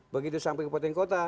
begitu sampai ke poteng kota